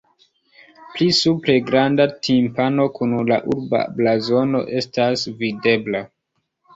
Pli supre granda timpano kun la urba blazono estas videbla.